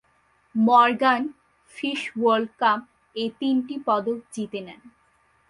Morgan, FIS world কাপ-এ তিনটি পদক জিতে নেন।